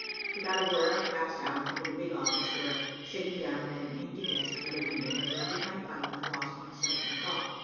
Without a word, I passed out into the big office where, sitting down at an empty desk by the window, I lighted my pipe and lost myself in thought.